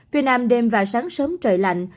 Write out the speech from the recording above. phía nam đêm và sáng sớm trời lạnh